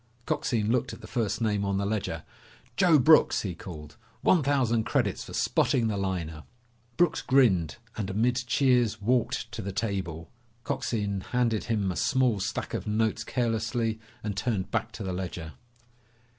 Coxine looked at the first name on the ledger. "Joe Brooks!" he called. "One thousand credits for spotting the liner!" Brooks grinned and amid cheers walked to the table. Coxine handed him a small stack of notes carelessly and turned back to the ledger.